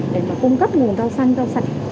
để mà cung cấp nguồn rau xanh rau sạch